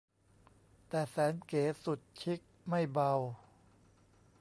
แต่แสนเก๋สุดชิคไม่เบา